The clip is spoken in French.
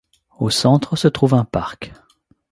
Au centre, se trouve un parc.